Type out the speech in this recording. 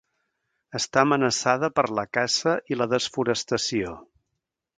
Està amenaçada per la caça i la desforestació.